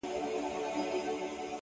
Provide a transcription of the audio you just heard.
دقیق فکر د لویو خطاګانو مخه نیسي.!